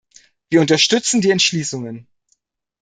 Wir unterstützen die Entschließungen.